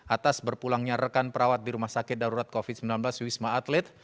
atas berpulangnya rekan perawat di rumah sakit darurat covid sembilan belas wisma atlet